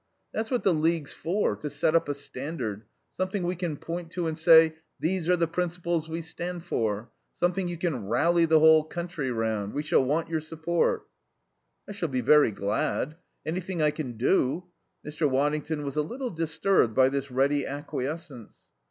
"That's what the League's for, to set up a standard, something we can point to and say: These are the principles we stand for. Something you can rally the whole country round. We shall want your support " "I shall be very glad anything I can do " Mr. Waddington was a little disturbed by this ready acquiescence.